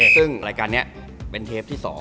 ซึ่งรายการนี้เป็นเทปที่๒